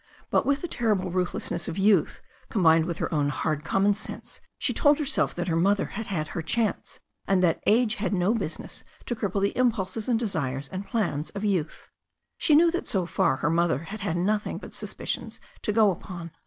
But with the terrible ruthlessness of youth, combined with her own hard common sense, she told her self that her mother had had her chance, and that age had no business to cripple the impulses and desires and plans of youth. She knew that so far her mother had had nothing but suspicions to go upon.